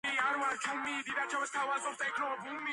თუნთის დაპენჯებული თუნთი მიუსერგელუდუა შხვაშ ყვანაშა.